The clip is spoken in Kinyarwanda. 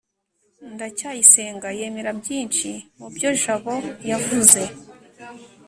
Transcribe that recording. ndacyayisenga yemera byinshi mubyo jabo yavuze